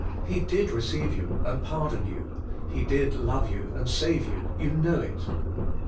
He did receive you, and pardon you; He did love you, and save you — you know it.